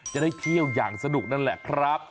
จะได้เที่ยวอย่างสนุกนั่นแหละครับ